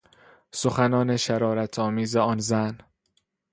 سخنان شرارتآمیز آن زن